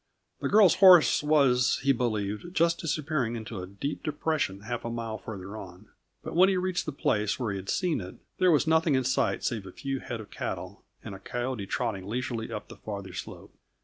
The girl's horse was, he believed, just disappearing into a deep depression half a mile farther on; but when he reached the place where he had seen it, there was nothing in sight save a few head of cattle and a coyote trotting leisurely up the farther slope.